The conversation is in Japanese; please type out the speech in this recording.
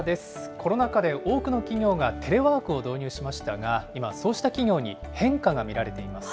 コロナ禍で多くの企業がテレワークを導入しましたが、今、そうした企業に変化が見られています。